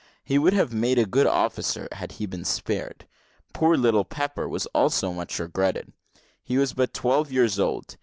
He would have made a good officer had he been spared. Poor little Pepper was also much regretted. He was but twelve years old.